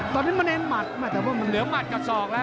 ตอนนี้เหลือหมัดกับสอก